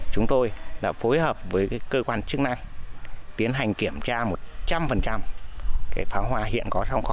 chúng tôi đã phối hợp với cơ quan chức năng tiến hành kiểm tra một trăm linh pháo hoa hiện có trong